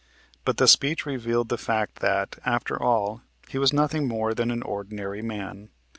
But the speech revealed the fact that, after all, he was nothing more than an ordinary man.